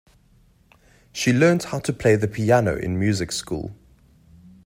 She learned how to play the piano in music school.